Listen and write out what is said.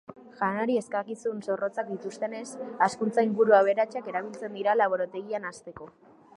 Janari eskakizun zorrotzak dituztenez, hazkuntza-inguru aberatsak erabiltzen dira laborategian hazteko.